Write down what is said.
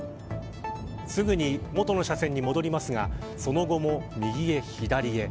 すぐに元の車線に戻りますがその後も右へ左へ。